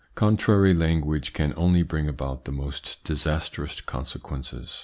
Contrary language can only bring about the most disastrous consequences.